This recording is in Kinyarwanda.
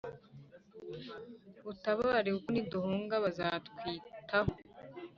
butabare kuko niduhunga batazatwitaho